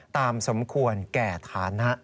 สมควรแก่ฐานะ